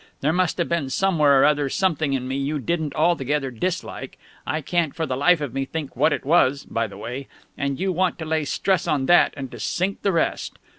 There must have been somewhere or other something in me you didn't altogether dislike I can't for the life of me think what it was, by the way; and you want to lay stress on that and to sink the rest.